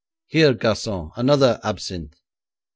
Here, garçon, another absinthe.